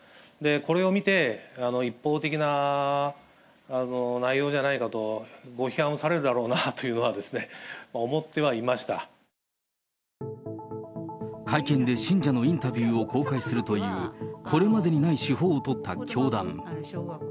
これを見て、一方的な内容じゃないかとご批判をされるだろうなというのは思っ会見で信者のインタビューを公開するという、これまでにない手法を取った教団。